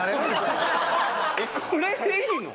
これでいいの！？